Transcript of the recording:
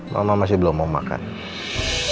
mama masih belum mau makan